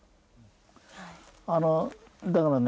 あのだからね